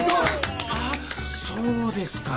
あっそうですか。